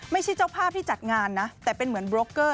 เจ้าภาพที่จัดงานนะแต่เป็นเหมือนโบรกเกอร์